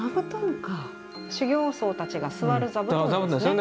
修行僧たちが座る座布団ですね。